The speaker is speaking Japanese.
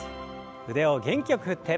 腕を元気よく振って。